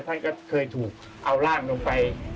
ท่านก็เคยถูกเอาร่างลงไป